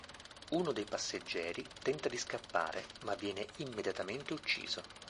Uno dei passeggeri tenta di scappare, ma viene immediatamente ucciso.